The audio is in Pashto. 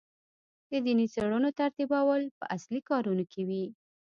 د دیني څېړنو ترتیبول په اصلي کارونو کې وي.